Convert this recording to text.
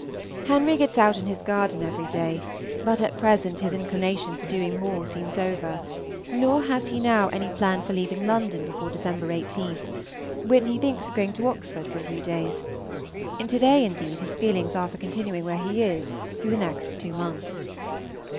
Henry gets out in his garden every day, but at present his inclination for doing more seems over, nor has he now any plan for leaving London before Dec. 18, when he thinks of going to Oxford for a few days; to day, indeed, his feelings are for continuing where he is through the next two months.